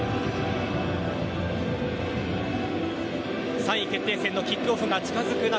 ３位決定戦のキックオフが近づく中